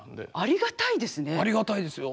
ありがたいですよ。